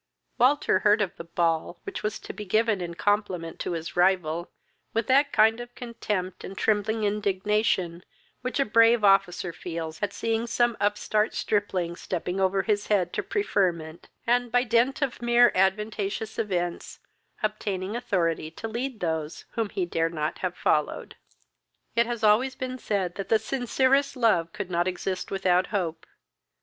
Walter heard of the ball, which was to be given in compliment to his rival, with that kind of contempt and trembling indignation which a brave officer feels at seeing some upstart stripling stepping over his head to preferment, and, by dint of mere adventitious events, obtaining authority to lead those whom he dared not have followed. It has always been said that the sincerest love could not exist without hope.